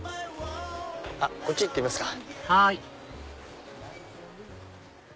こっち行ってみますか。